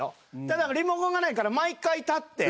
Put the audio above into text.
ただリモコンがないから毎回立って。